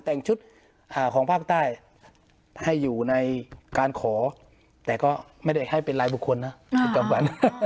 แต่งชุดของภาคใต้ให้อยู่ในการขอแต่ก็ไม่ได้ให้เป็นรายบุคคลนะคุณจำวัน